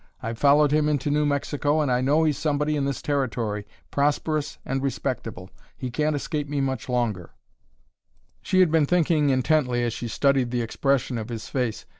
I've followed him into New Mexico, and I know he's somebody in this Territory, prosperous and respectable. He can't escape me much longer." She had been thinking intently as she studied the expression of his face.